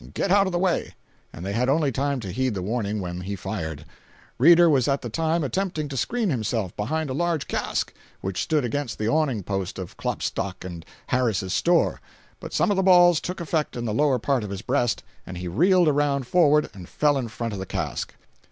get out of the way!" and they had only time to heed the warning, when he fired. Reeder was at the time attempting to screen himself behind a large cask, which stood against the awning post of Klopstock & Harris's store, but some of the balls took effect in the lower part of his breast, and he reeled around forward and fell in front of the cask.